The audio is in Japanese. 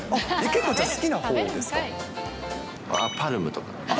結構、パルムとか。